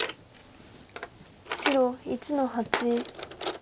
白１の八。